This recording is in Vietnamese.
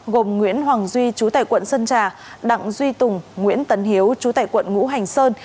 gồm nguyễn hoàng duy chú tải quận sơn trà đặng duy tùng nguyễn tấn hiếu trú tại quận ngũ hành sơn